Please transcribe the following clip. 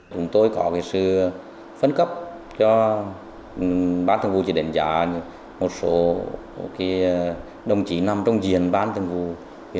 chúng tôi có sự phân cấp cho ban thường vụ chỉ đánh giá một số đồng chí nằm trong diện ban thường vụ